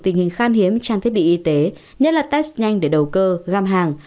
tình hình khan hiếm trang thiết bị y tế nhất là test nhanh để đầu cơ găm hàng